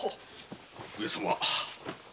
上様。